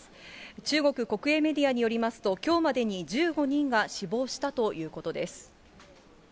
中国国営メディアによりますと、きょうまでに１５人が死亡したということです。